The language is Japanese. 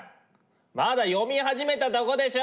まだ読み始めたとこでしょ！